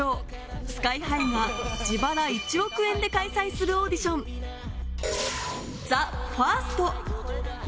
ＳＫＹ−ＨＩが自腹１億円で開催するオーディション、ＴＨＥＦＩＲＳＴ。